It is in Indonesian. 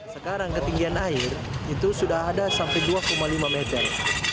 sekarang ketinggian air itu sudah ada sampai dua lima meter